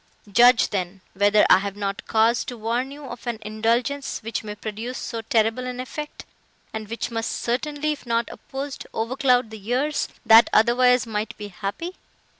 Judge, then, whether I have not cause to warn you of an indulgence, which may produce so terrible an effect, and which must certainly, if not opposed, overcloud the years, that otherwise might be happy.